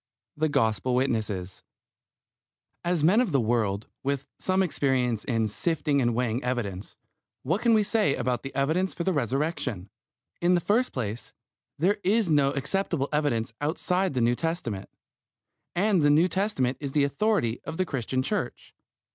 THE GOSPEL WITNESSES As men of the world, with some experience in sifting and weighing evidence, what can we say about the evidence for the Resurrection? In the first place, there is no acceptable evidence outside the New Testament, and the New Testament is the authority of the Christian Church.